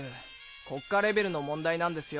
国家レベルの問題なんですよ